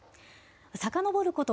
さかのぼること